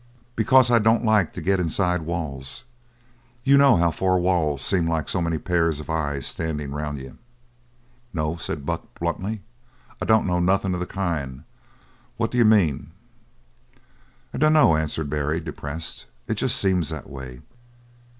"Because I don't like to get inside walls. You know how four walls seem like so many pairs of eyes standin' around you?" "No," said Buck bluntly, "I don't know nothin' of the kind. What d'you mean?" "I dunno," answered Barry, depressed. "It jest seems that way.